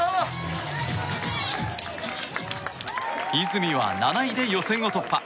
泉は７位で予選を突破。